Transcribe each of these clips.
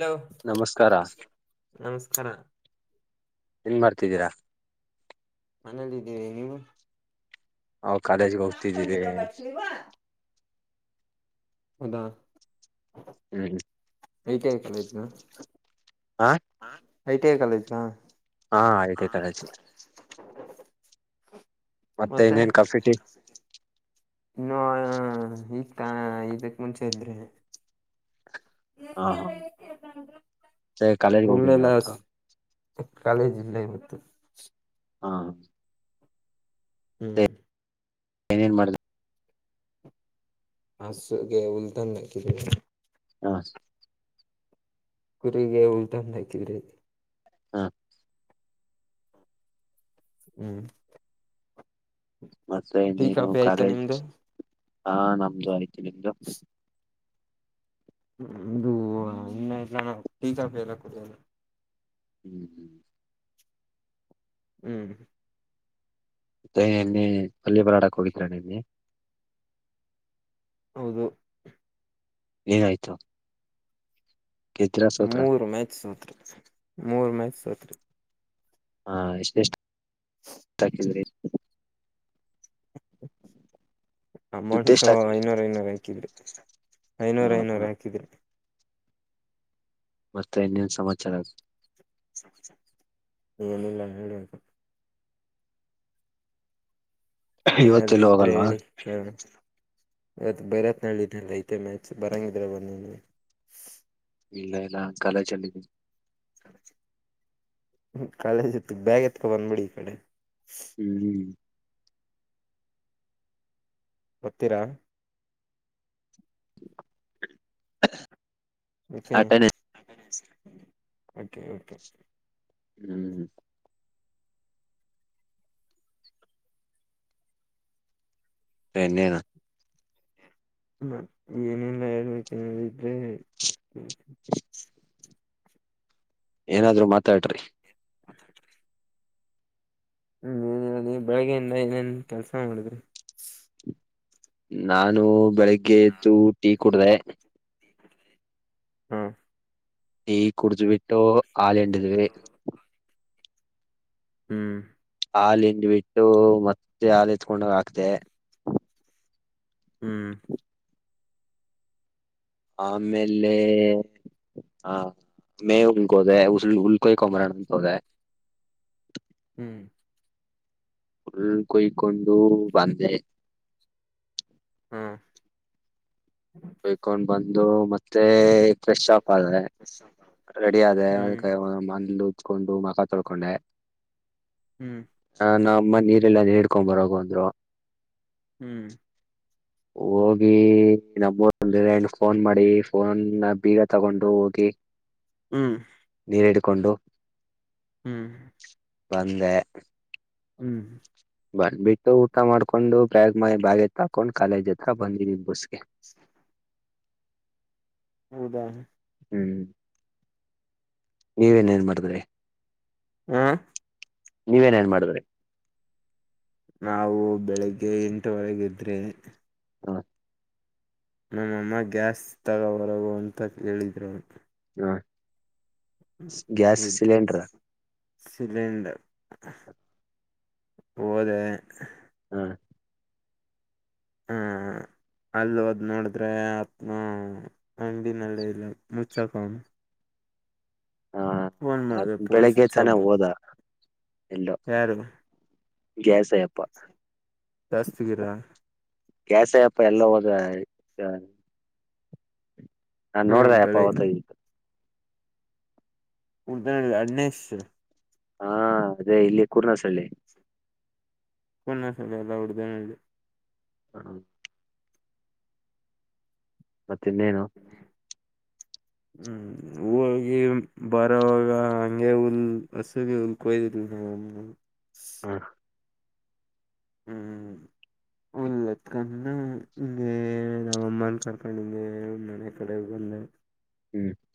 Hello ನಮಸ್ಕಾರ ನಮಸ್ಕಾರ ಏನ್ ಮಾಡ್ತಿದ್ದೀರಾ. ಮನೇಲ್ಲ ಇದಿವಿ ನೀವು ನಾವ್ ಕಾಲೇಜಿಗೆ ಹೋಗ್ತಿದ್ದೀವಿ. ಹೌದಾ ಹ್ಮ ಯಕ ಆಯಕಲಯತನಾ [unintelligible] ಹ ಹಾ ಐಟಿಐ ಕಾಲೇಜ್ನಾ ಹಾ ಐಟಿಐ ಕಾಲೇಜ್ ಹ ಮತ್ತೆ ಇನ್ನೇನ್ ಕಾಫಿ ಟೀ ಇನ್ನು ಈ ಹಾ ಇದಕ್ ಮುಂಚೆ. ಹ ಹಾ ಸ ಕಾಲಜ ಕೌ ಅರ್ಥ [unintelligible] ಕಾಲೇಜಿಲ್ಲ ಇವತ್ತು ಹಾ ಹ್ಮ್ ಏನೇನ್ ಮಾಡ್ದ್ ಹಸುಗೆ ಉಲು ಹಾ ಕುರಿಗೆ ಉಲ್ಟಂದುಾ ಕ್ರ ಹಾ ಹ್ಮ್ ಮತ್ತೆ ಟೀ ಇನ್ನೇನು ಕಾಫಿ ಆಯ್ತಾ ಕಾಲೇಜ್ ನಿಮ್ದು ಹಾ ನಮ್ದು ಆಯ್ತು. ಇಿಂದ [unintelligible] ಇದು ಇನ್ನ ಇಲ್ಲಾನ ಟೀಕಾ ಕುಡನೆ ಹ್ಮ್ ಹ್ಮ್ [unintelligible] ಹ್ಮ್ [inaudible] ಮತ್ತೆ ನಿನ್ನೆ ಅಲ್ಲಿಯ ಬರಾಡಕ್ ಹೋಗಿದ್ರ ನಿನ್ನೆ. ಹೌದು ಏನಾಯ್ತು ಗೆದ್ರ ಸೋತ್ರ ಮೂರು ಮ್ಯಾಚ್ ಸೋತ್ರಿ ಮೂರು ಮ್ಯಾಚ್ ಸೋತ್ರಿ ಹಾ ಎಷ್ಟೆ ಎಷ್ಟು ಥರ್ಟಿ ಮಿನಿಟ್ಸ್. ದುಡ್ಡೆಷ್ಟು ಅಮೌಂಟ್ಐನೂರು ಹಾಕಿದ್ರಿ ಐನೂರು ಹಾಕಿದ್ರಿ ಹ ಐನೂರು ಹ ಐನೂರು ಹಾಕಿದ್ರಿ. ಮತ್ತೆ ಏನೇನ ಸಮಾಚಾರ ಏನಿಲ್ಲ ಹೇಳಿ. ಏನಾದ್ರರು ಇವತ್ತೆಲ್ಲೂ ಇದ್ರೆ ಹೋಗಲ್ವಾ ಹೇಳಿ ಹೇಳಣ ಅದ ಬೈರಾತ್ನಲ್ಲಿ ಇದಲ್ಲ ಐತೆ ಮ್ಯಾಚ್ ಬರಂಗಿದ್ರೆ ಒಂದ್ ಇಲ್ಲ ಇಲ್ಲ ಕಾಲೇಜ್ ಅಲ್ಲಿ ಇದ್ದೀನಿ. ಕಾಲೇಜ್ ಇತ್ತು ಬ್ಯಾಗ ಎತ್ಕ ಬಂದ್ಬಿಡಿ ಈ ಕಡೆ ಹ್ಮ್ ಕೊತ್ತಿರ [inaudible] ಓಕೆ ಆಟನೇ ಓಕೆ ಓಕೆ ಹ್ಮ್ ಎನ್ನೇನು ಹ ಏನೆಲ್ಲ ಹೇಳ್ಬೇಕನಿದ್ರೆ ಏನಾದ್ರು ಮಾತಾಡ್ರಿ. ಹ್ಮಏನ್ ಹೇಳ ಬೆಳಗ್ಗೆಯಿಂದ ಏನೇನ್ ಕೆಲ್ಸ ಮಾಡಿದ್ರಿ ನಾನು ಬೆಳಿಗ್ಗೆ ಗೆ ತು ಕೂಡಿದೆ ಹಾ ಈ ಕುಡಿದು ಬಿಟ್ಟು ಆಳಂಡವೇ ಹ್ಮ್ ಹಾಲ ಹಿಂಡಿ ಬಿಟ್ಟು ಮತ್ತೆ ಹಾಲ ಇಸ್ಕೊಂಡ್ ಹೋಗಿ ಹಾಕ್ದೆ ಹ್ಮ್. ಆಮೇಲೆ ಹ ಮೇವು ಉಳ್ಗೋದೆ ಉಲ್ ಉಳ್ಕೊಮ್ಬರಕ ಅಂತ ಹೋದೆ. ಹ್ಮ್ ಫುಲ್ ಕುಯ್ಯ್ ಕೊಂಡು ಬಂದೆ. ಹಾ ಕುಯ್ಕೊಂಡು ಬಂದು ಮತ್ತೆ ಫ್ರೆಶ್ ಆಫ್ ಆದೆ ರೆಡಿ ಆದೆ ಹ್ಮ್ ಅದಕ್ಕೆ ಬಂದು ಉಂಡು ಮಖ ತೊಳ್ಕೊಂಡೆ ಹ್ಮ್ ಹಾ ನಾ ಮನೇಲಿ ನೀರಿಲ್ಲ ನೀರು ಹಿಡಿದುಕೊಂಡುಬೊಗ ಅಂದ್ರು ಹ್ಮ್ ಹೋಗಿ ನಮ್ಮೂರಲ್ಲಿ ಫೋನ್ ಮಾಡಿ ಫೋನ್ ಬೀಗ ತಗೊಂಡು ಹೋಗಿ ಹ್ಮ್ ಕೊಂಡು ಹ್ಮ್ ಹ್ಮ್ ಬಂದೆ. ಹ್ಮ್ ಬಂದ್ಬಿಟ್ಟು ಊಟ ಮಾಡ್ಕೊಂಡು ಬ್ಯಾಗ್ ಮೈ ಬ್ಯಾಗ್ ಎತ್ತಾಕೊಂಡು ಕಾಲೇಜ್ ಹತ್ರ ಬಂದಿವಿ ಬಸ್ಗೆ. ಬಸ್ಗೆ ಹೌದಾ ಹ್ಮ್ ನೀವೇನ್ ಏನ್ ಇಲ್ಲಿ ಮಾಡಿದ್ರಿ. ಹ್ಮ ನೀವೇನ ಏನೇನು ಮಾಡಿದ್ರಿ ನಾವು ಬೆಳಿಗ್ಗೆ ಎಂಟು ವರೆಗೆ ಎದ್ರೆ ಹಾ ನಮ್ಮಅಮ್ಮ ಗ್ಯಾಸ್ ತೊಗೊಬರೋಹೋಗ ಅಂತಾ ಹೇಳಿದ್ರು. ಹ್ ಗ್ಯಾಸ್ ಸಿಲೆಂಡರ್ ಸಿಲಿಂಡರ್ ಹೋದೆ, ಹಾ- ಆಹ ಅಲ್ಲಿ ಹೋದ್ ನೋಡಿದ್ರೆ ಅತ್ನ ಅಂಗಡಿನಲ್ಲಿ ಇಲ್ಲ ಮುಚ್ಚಕಮ್ಮ ಫೋನ್ ಹ ಮಾಡುದು ಫೋನ್ ಬೆಳಿಗ್ಗೆ ಸ್ವಿಚ್ ತಾನೇ ಹೋದ ಬಂತು ಯಾರಿವ. ಗ್ಯಾಸ್ ಅಯ್ಯಪ್ಪ ಶಾಸ್ತ್ರಿಗಿರ ಗ್ಯಾಸೂಯಪ್ಪ ಎಲ್ಲೋದ ಹ ನಾನ್ ನೋಡ್ದ ಹ್ಮ್ ಆಯಪ್ಪ ಬೆಳಿಗ್ಗೆ ಹೋದ ಇಲ್ಲಿ ಉಡ್ತ ನ ಅನೇಶ್ ಹಾ ಅದೇ ಇಲ್ಲಿ ಕುೂರ್ನ ಸಳ್ಳಿ. [unintelligible] ಹ್ಮ ಮತ್ತೆ ಇನ್ನೇನು. ಹ್ಮ್ ಹೋಗಿ ಬರೋವಾಗ ಹಂಗೆ ಹುಲ್ ಹಸುಗ ಹುಲ್ ಕೊಯ್ದಿವಿ ನಮ್ಮ ಅಮ್ಮ ಹ್ಮ್. ಹ್ಮ್ ಹ್ಮ್ ಹ್ಮ್ ಅಮ್ಮನ್ ಕಾರ್ಕಂಡು ಮನೆ ಕಡೆ ಬಂದೆ.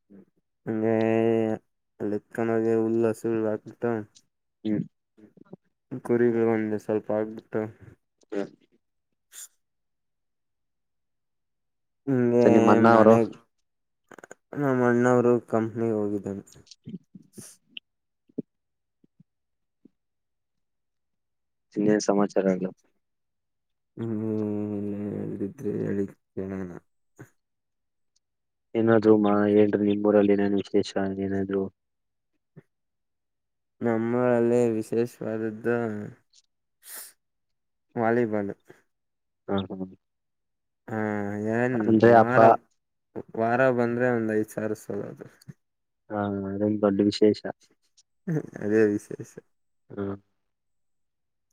ಹ್ಮ್ ಹಂಗೆ ಅಲ್ಲಿಕ್ಕನಗೆ ಉಳ್ಳು ಹಸುಳ್ ಹಕ್ಬಟ್ಟು. ಹ ಕುರಿಗಳು ಒಂದೆ ಸ್ವಲ್ಪ ಆಗ್ಬಿಟ್ಟು ಹ ಹಿಂಗೆ [unintelligible] ನಿಮ್ಮ ಅಣ್ಣ ಅವರು. ಮನೆಗ್ ನಮ್ಮ ಅಣ್ಣವರು ಕಂಪ್ನಿಗ ಹೋಗಿದ್ದಾನೆ. ಇನ್ನೇನು ಸಮಾಚಾರ ಇಲ್ಲ ಹ್ಮ್ ಹ್ಮ್ ಹ್ಮ್ ಏನನ್ನಾದರೂ ಇದ್ದರೆ ಹೇಳಿ ಕೇಳ್ಣ್ ಏನಾದರ್ ಹೇಳ್ರಿ ನಿನ್ ಊರಲ್ಲಿ ಏನೇ ವಿಶೇಷ ಏನಾದ್ರು ನಮ್ಮೂರಲ್ಲಿ ವಿಶೇಷವಾದದ್ದು ವಾಲಿಬಾಲ್ ಹಾ, ಹಾ ಹ್ಮ ಾನ್ ವಾರ [unintelligible] ವಾರ ಬಂದ್ರೆ ಒಂದ್ ಐದು ಸಾರ ಸಲದು ಹಾ ಅದೊಂದು ದೊಡ್ಡ ವಿಶೇಷ. ಹ್ಮ್ ಅದೇ ವಿಶೇಷ. ಹ್ಮ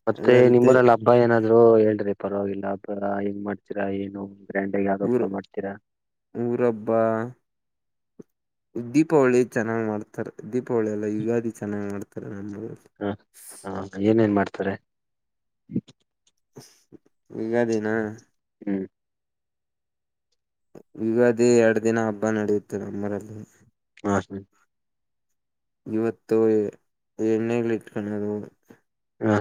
ಮತ್ತೆ ಅದ್ರಲ್ತೆ ನಿಮ್ಮರೆಲ್ಲ ಹಬ್ಬ ಏನಾದ್ರು ಹೇಳ್ರಿ. ಪರವಾಗಿಲ್ಲ ಪರ ಹೆಂಗ್ ಮಾಡ್ತೀರಾ ಏನು. ಗ್ರ್ಯಾಂಡ್ ಆಗಿ ಯಾವ್ದ್ ಊರ್ ಹಬ್ಬ ಮಾಡ್ತೀರಾ ಊರಬ್ಬ ದೀಪಾವಳಿ ಚೆನ್ನಾಗ್ ಮಾಡ್ತಾರೆ ದೀಪ್ ಯೂಳೆಲ್ಲ ಯುಗಾದಿ ಚೆನ್ನಾಗಿ ಮಾಡ್ತ ನ [unintelligible] ಹ ಹಾ ಏನ್ ಏನ್ ಮಾಡ್ತಿ [unintelligible] ಯುಗಾದಿನ. ಹ್ಮು ಯುಗಾದಿ ಎರಡು ದಿನ ಹಬ್ಬ ನಡೆಯುತ್ತೆ ನಮ್ಮಊರಲ್ಲಿ ಹ ಇವತ್ತು ಎಣ್ಣೆಳಿ ಇಟ್ಕೊಳ್ಳದು ಹಾ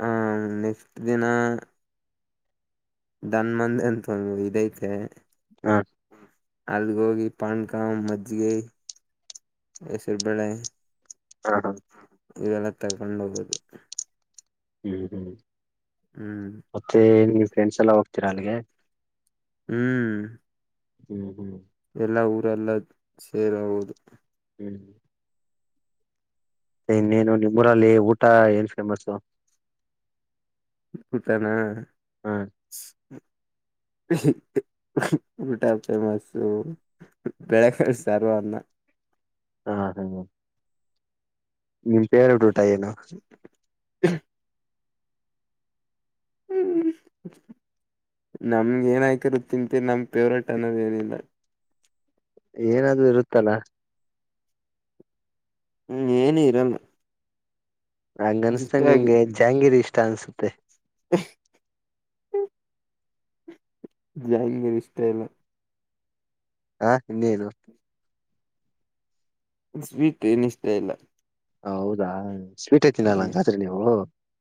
ಹ್ಮ ನೆಕ್ಸ್ಟ ದಿನ ದನ್ ಮಂದ ಅಂತ ಇದಐತೆ ಹಾ, ಅಲ್ಗ ಹೋಗಿ ಪಾಣ್ಕಾಂ ಮಜ್ಗ ಹೆಸರು ಬೇಳೆ ಹಾ ಹ. ಇವೆಲ್ಲತ್ತ ಕಂಡು ಹೋಗೋುದು. ಹ್ಮ್ ಹ್ಮ್ ಮತ್ತೆ ಫ್ರೆಂಡ್ಸ್ ಎಲ್ಲ ಹೋಗ್ತೀರಾ ಅಲ್ಲಿಗೆ. ಹ್ಮು ಹ್ಮ್ ಹ್ಮ್ ಎಲ್ಲ ಊರೆಲ್ಲ ಸೇರ ಹೌದು. ಹ್ಮ್ ಇನ್ನೇನು ನಿಮ್ಮೂರಲ್ಲಿ ಊಟ ಏನ್ ಫೇಮಸು. ಬತಾನ ಹ್ಮ್. ಊಟ ಫೇಮಸ್ ಬೆಲೆ ಸಾರು ಅಣ್ಣ ಹ್ಮ ಹ್ಮ ಹ್ಮ ನಿಮ್ ಪೇವರೆಟ್ ಊಟ ಏನು ಹ್ಮು ಹ್ಮ ನಮ್ಗೆ ಏನ್ ಆಕಿರ ತಿಂತೀನಿ ನಮ್ ಫೇವ್ರೇಟ್ ಅನ್ನೋದ ಏನಿಲ್ಲ ಏನಾದ್ರು ಇರುತ್ತಲ್ಲಾ. ಹ್ಮ್ ಏನು ಇರಲ್ಲ ನಂಗ ಇಷ್ಟ ಅನ್ಸ್ತನ್ ಆಗಿ ನಿಮ್ಗೆ ಜಾಂಗಿರಿ ಇಷ್ಟ ಅನ್ಸುತ್ತೆ ನ [inaudible] ಜಂಗೀರ್ ಇಷ್ಟ ಇಲ್ಲ ಹಾ ಇನ್ನೇದು, ಸ್ವೀಟ ಏನ ಇಷ್ಟ ಇಲ್ಲ ಹೌದಾ, ಸ್ವೀಟೇ ತಿನ್ನಲ್ಲ ಹ್ಮ್ ಹಂಗಾದ್ರೆ ನೀವು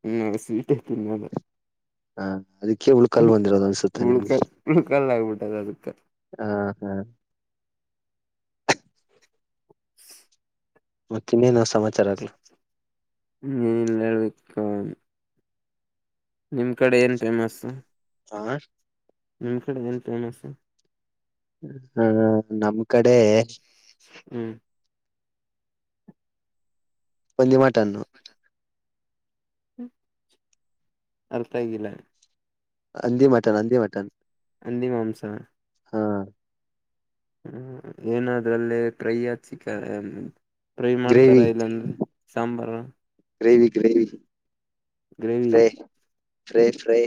ಹ್ಮ ಸ್ವೀಟ ತಿನ್ನಲ್ಲ ಹಾ ಅದಕ್ಕೆೇ ಹುಳಕ್ಲ್ ಬಂದಿರೋದು ಅನ್ಸುತ್ತೆ ಉಳ್ಕಲ್ ನಿಮ್ಗೆ ಉಳ್ಕಲ್ ಆಗ್ಬಿಟ್ಟದ ಅದಕ್ಕ ಹಾ ಹಾ [inaudible] ಮತ್ತ ಇನ್ನೇನು ಸಮಾಚಾರ ಆಗ್ಲ ನೀ ಇರಲಾರದಕ್ಕ. ನಿಮ್ ಕಡೆ ಏನ್ ಫೇಮಸ್ ಹಾ ನಿಮ್ ಕಡೆ ಎಏನು ಫೇಮಸ್. ಹಾಹಾ ನಮ್ಮ ಕಡೆ ಹ್ಮು ಒಂದಿ ಮಾಟನ್ನು ಹು ಅರ್ಥ ಆಗಿಲ್ಲ. ಹಂದಿ ಮಟನ್ ಹಂದಿ ಮಟನ್. ಹಿಂದಿ ಮಾಂಸ, ಹಾ ಹ್ಮ ಏನಾದ್ರಲ್ಲಿೇ ಫ್ರೈ ಚಿಕನ್ ಫ್ರೈ ಗ್ರೇವಿ ಮಾಡ್ತಾರೆ ಇಲ್ಲಾಂದ್ರೆ ಸಾಂಬಾರ gravy gravy gravy. Fry fry fry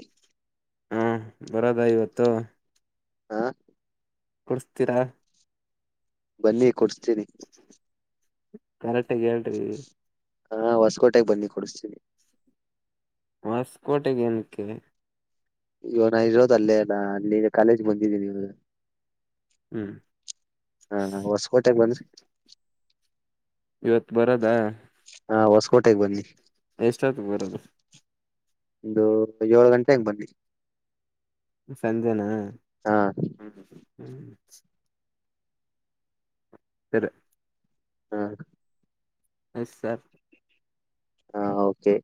ಹಾ ಬರೋದಾ ಇವತ್ತು ಹಾ ಕೊಡ್ಸ್ತೀರಾ ಬನ್ನಿ ಕೊಡ್ಸ್ತೀನಿ. ಕರೆಕ್ಟಗ ಹೇಳ್ರಿ ಹಾ ಹೊಸಕೋಟೆಗೆ ಬನ್ನಿ ಕುಡಿಸ್ತೀನಿ. ಹೊಸ್ಕೋಟೆಗೆ ಏನಕ್ಕೆ ಈವಾಗ್ ನನ್ ಇರೋದ ಅಲ್ಲೇ ನ ಅಲ್ಲಿ ಕಾಲೇಜ್ ಬಂದಿದ್ದೀನಿ. ಹ್ಮ್ ಹಾ ಹೊಸಕೋಟೆಗೆ ಬಂದ್ರಿ [inaudible] ಇವತ್ ಬರದಾ ಹಾ ಹೊಸಕೋಟೆಗೆ ಬನ್ನಿ. ಎಷ್ಟ ಹೊತ್ತಿಗೆ ಬರೋದು ಒಂದು ಏಳ್ ಗಂಟೆ ಹಂಗ ಬನ್ನಿ ಸಂಜೆನಾ ಹಾ ಹ್ಮ ಹ್ಮ್. [unintelligible] ಹಾ ಎಸ್ ಸರ್. ಹಾ ಓಕೆ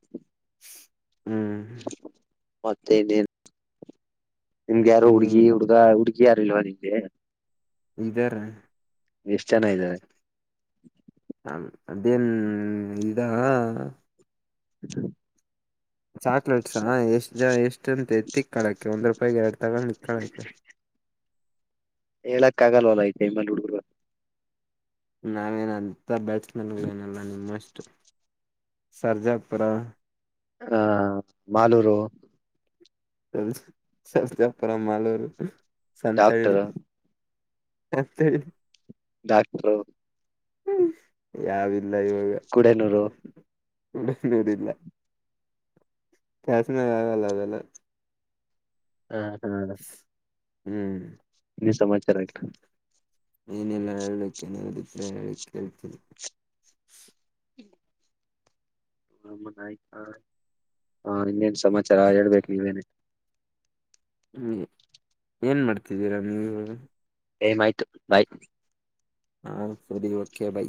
[inaudible] [inaudible] ಮತ್ತ ಇನೇನ ನಿಮ್ಗ ಯಾರು ಹುಡ್ಗಿ ಹ್ಮ್ ಹುಡ್ಗ ಹುಡ್ಗಿ ಯಾರ ಇಲ್ವ [unintelligible] ಇದರ ಎಷ್ಟು ಜನ ಇದಾರೆ ಹ ಅದೇನ್ ಇದಾ ಹ ಚಾಕ್ಲೇಟ್ಸ್ಾ ಎಷ್ಟು ಜನ ಎಷ್ಟ ಅಂತ ತಿಕ್ಕಳಕ್ಕೆ ಒಂದ್ ರೂಪಾಯಿಗೆ ಎರಡು ತಗೊಂಡು ಇಕ್ಕೊಳ್ಳಕ. ಹೇಳಕ್ ಆಗಲ್ವಲ್ಲ ಈ ಟೈಮಲ್ಲಿ ಹುಡುಗುರು ನಾವೇನ ಅಂತ ಬ್ಯಾಟ್ಸ್ಮನ್ಗಳ ಏನಲ್ಲ ನಿಮ್ಮಷ್ಟು ಸರ್ಜಾಪುರ ಹ್ಮ ಮಾಲೂರು ಸರ್ಜಾಪುರ ಮಾಲೂರು ಸಂತಳ್ಳಿ ಡಾಕ್ಟರ್ [inaudible] ಡಾಕ್ಟ್ರು ಹ್ಮ್ ಯಾವ್ ಇಲ್ಲ ಇವಾಗ ಕುಡನೂರು [unintelligible] ದೂರಿಲ್ಲ [unintelligible] ಇವೆಲ್ಲ ಹಾ ಹಾ ಹ್ಮ್ ಏನ್ ಸಮಾಚಾರ ಅಯ್ತ್ ನೀನೇನೆ ಹೇಳ್ಬೇಕ್ ಏನಾರ್ ಇದ್ರೆ ಹೇಳ್ ಕೇಳ್ತಿನಿ ಹ ಹನ್ನ [unintelligible] ಸಮಾಚಾರ ಹೇಳ್ಬೇಕು ನೀವೇನೆ ಹ್ಮ ಏನ್ ಮಾಡ್ತಿದ್ದೀರಾ ನೀವು ಟೈಮ್ ಆಯ್ತು ಬಾಯ್ ಹ್ ಸರಿ ಓಕೆ ಬೈ